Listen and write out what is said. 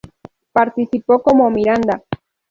Participó como Miranda!